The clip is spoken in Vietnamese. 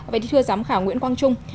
vậy thì thưa giám khảo nguyễn quang trung